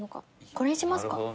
これにしますか。